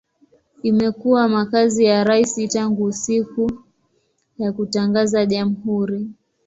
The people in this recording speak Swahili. Imekuwa makazi ya rais tangu siku ya kutangaza jamhuri.